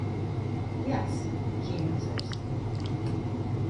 "Yes," she answers.